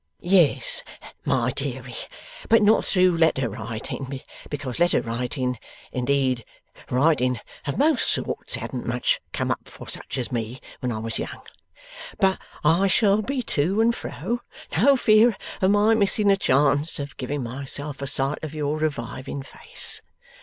'Yes, my deary, but not through letter writing, because letter writing indeed, writing of most sorts hadn't much come up for such as me when I was young. But I shall be to and fro. No fear of my missing a chance of giving myself a sight of your reviving face.